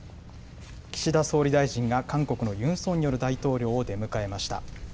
岸田総理大臣が韓国のユン・ソンニョル大統領を出迎えました。